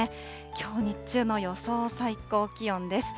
きょう日中の予想最高気温です。